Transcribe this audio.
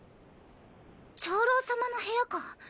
長老様の部屋か。